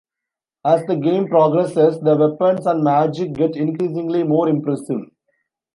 As the game progresses, the weapons and magic get increasingly more impressive.